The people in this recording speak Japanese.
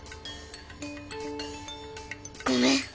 ごめん。